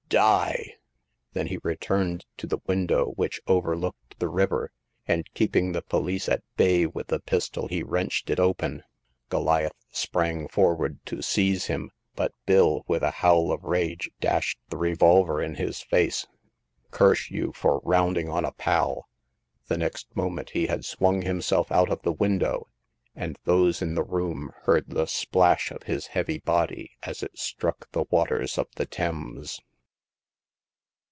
Die !" Then he returned to the window which over looked the river, and keeping the police at bay with the pistol, he wrenched it open. Goliath sprang forward to seize him, but Bill, with a howl of rage, dashed the revolver ia hU fo c,^ 294 Hagar of the Pawn Shop. " Curse you for rounding on a pal !" The next moment he had swung himself out of the window, and those in the room heard the splash of his heavy body as it struck the waters of the Thames.